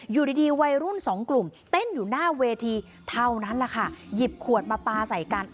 อยู่ดีดีวัยรุ่นสองกลุ่มเต้นอยู่หน้าเวทีเท่านั้นแหละค่ะหยิบขวดมาปลาใส่กัน